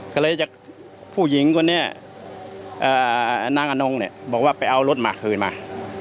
แล้วควรกัลเลยผู้หญิงของเนี่ยนางนํองเนี่ยบอกว่าไปเอารถมาคืนมา